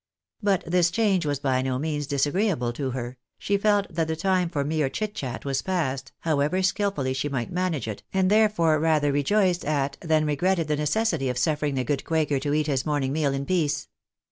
But this change was by no means disagreeable to her ; she felt that the time for mere chit chat was past, however skilfully she might manage it, and therefore rather rejoiced at than regretted the necessity of suffering the good quaker to eat his morning meal in peace.